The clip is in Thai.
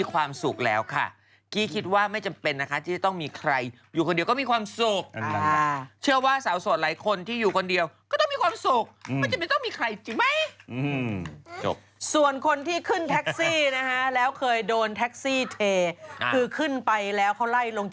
ขับอารมณ์ไม่ดีน้ำในหูไม่เท่ากัน